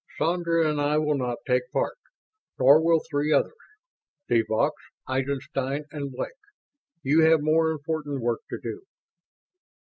"Sandra and I will not take part. Nor will three others; de Vaux, Eisenstein, and Blake. You have more important work to do."